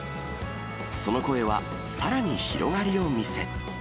その声は、さらに広がりを見せ。